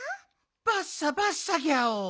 バッサバッサギャオ。